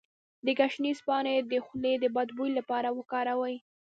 د ګشنیز پاڼې د خولې د بد بوی لپاره وکاروئ